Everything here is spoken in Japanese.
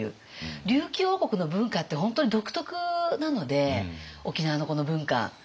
琉球王国の文化って本当に独特なので沖縄のこの文化。